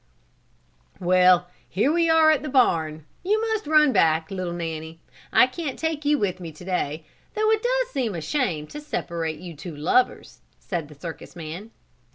"Well, here we are at the barn, you must run back, little Nanny; I can't take you with me to day, though it does seem a shame to separate you two lovers," said the circus man.